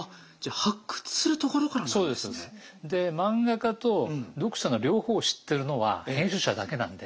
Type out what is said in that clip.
で漫画家と読者の両方を知ってるのは編集者だけなんで。